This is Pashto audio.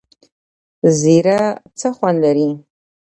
زیره څه خوند لري؟